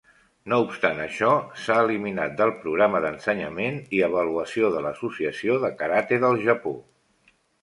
No obstant això, s'ha eliminat del programa d'ensenyament i avaluació de l'Associació de Karate del Japó.